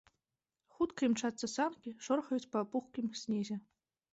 Хутка імчацца санкі, шорхаюць па пухкім снезе.